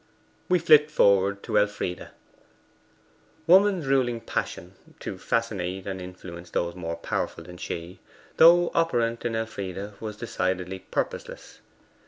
We flit forward to Elfride. Woman's ruling passion to fascinate and influence those more powerful than she though operant in Elfride, was decidedly purposeless.